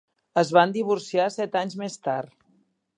Es van divorciar set anys més tard.